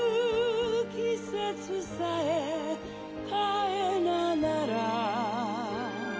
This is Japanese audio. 季節さえ変えながら」